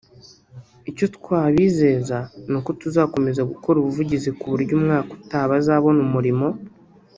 icyo twabizeza n’uko tuzakomeza gukora ubuvugizi k’uburyo umwaka utaha bazabona umuriro”